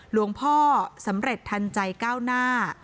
หลวงพ่อสำเร็จทันใจก้าวหน้า